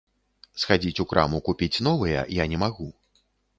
Схадзіць у краму купіць новыя я не магу.